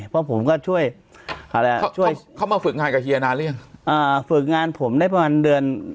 เพราะผมก็ช่วยอะไรเขาช่วยเขามาฝึกงานกับเฮียนานหรือยังอ่าฝึกงานผมได้ประมาณเดือน